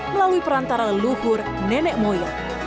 melalui perantara leluhur nenek moyo